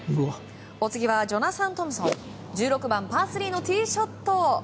お次はジョナサン・トムソン１６番、パー３のティーショット。